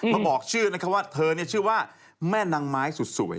มาบอกชื่อนะคะว่าเธอชื่อว่าแม่นางไม้สุดสวย